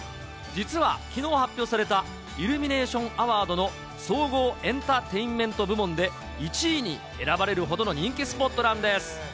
実は、きのう発表されたイルミネーションアワードの総合エンタテインメント部門で１位に選ばれるほどの人気スポットなんです。